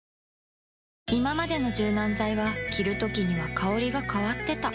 いままでの柔軟剤は着るときには香りが変わってた